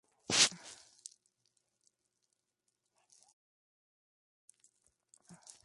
Le sucedió en el cargo Otto Ender.